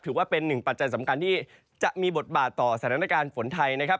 ถือว่าเป็นหนึ่งปัจจัยสำคัญที่จะมีบทบาทต่อสถานการณ์ฝนไทยนะครับ